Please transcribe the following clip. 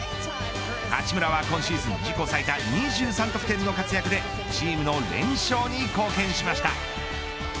八村は今シーズン自己最多２３得点の活躍でチームの連勝に貢献しました。